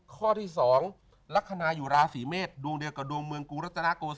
ข้อที่๒ลักษณะอยู่ราศีเมษดวงเดียวกับดวงเมืองกูรัตนาโกศิ